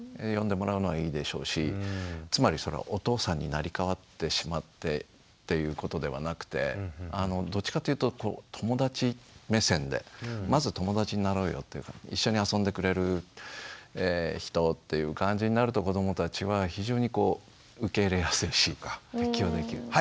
呼んでもらうのはいいでしょうしつまりお父さんに成り代わってしまってということではなくてどっちかというと友達目線でまず友達になろうよっていうか一緒に遊んでくれる人っていう感じになると子どもたちは非常に受け入れやすいし適応できる。